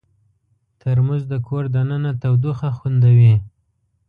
ترموز د کور دننه تودوخه خوندوي.